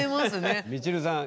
みちるさん